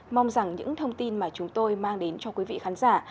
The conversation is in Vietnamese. mong rằng những thông tin mà chúng tôi mang đến cho quý vị khán giả